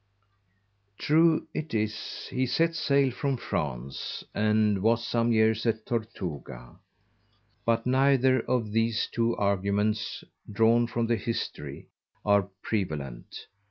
True it is, he set sail from_ France, and was some years at Tortuga; _but neither of these two Arguments, drawn from the History, are prevalent.